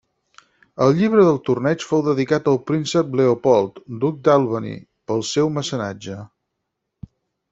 El llibre del torneig fou dedicat al Príncep Leopold, Duc d'Albany, pel seu mecenatge.